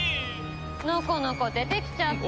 のこのこ出てきちゃって。